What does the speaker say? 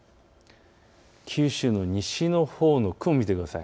九州の西のほうの雲を見てください。